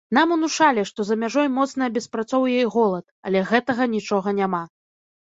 Нам унушалі, што за мяжой моцнае беспрацоўе і голад, але гэтага нічога няма.